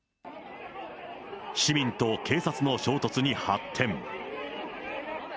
市民と警察の衝突に発展。